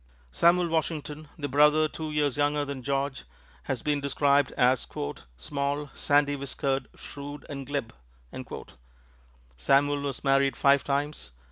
Samuel Washington, the brother two years younger than George, has been described as "small, sandy whiskered, shrewd and glib." Samuel was married five times.